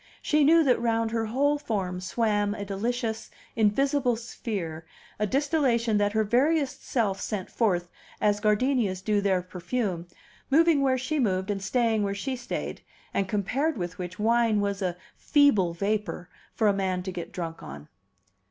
She knew that round her whole form swam a delicious, invisible sphere, a distillation that her veriest self sent forth, as gardenias do their perfume, moving where she moved and staying where she stayed, and compared with which wine was a feeble vapor for a man to get drunk on.